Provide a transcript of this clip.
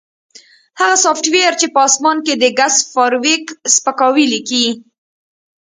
هغه سافټویر چې په اسمان کې د ګس فارویک سپکاوی لیکي